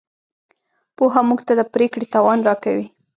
پوهه موږ ته د پرېکړې توان راکوي.